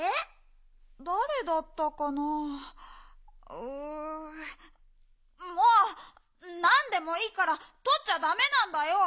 だれだったかなう。もうっなんでもいいからとっちゃダメなんだよ！